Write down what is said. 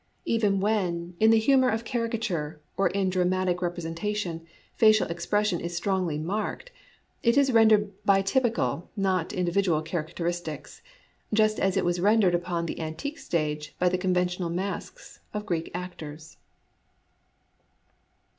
Even when, in the humor o£ caricature or in dramatic represen tation, facial expression is strongly marked, it is rendered by typical, not by individual characteristics, just as it was rendered upon the antique stage by the conventional masks of Greek actors.